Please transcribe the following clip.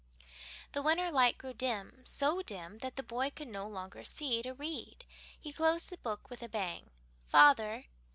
The winter light grew dim, so dim that the boy could no longer see to read. He closed the book with a bang. "Father."